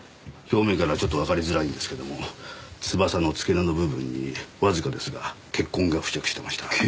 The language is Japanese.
表面からはちょっとわかりづらいんですけども翼の付け根の部分にわずかですが血痕が付着してました。